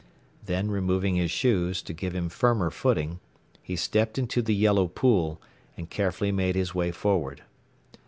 Then removing his shoes, to give him firmer footing, he stepped into the yellow pool and carefully made his way forward.